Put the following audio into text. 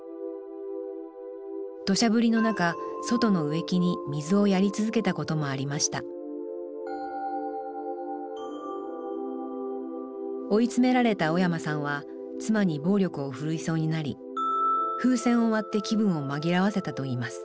土砂降りの中外の植木に水をやり続けたこともありました追い詰められた小山さんは妻に暴力を振るいそうになり風船を割って気分を紛らわせたといいます